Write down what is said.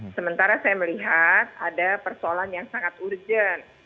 sementara saya melihat ada persoalan yang sangat urgent